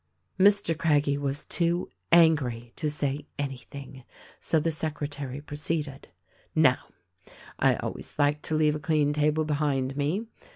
Mr. Craggie was too angry to say anything, so the sec retary proceeded. "Now, I always like to leave a clean table behind me.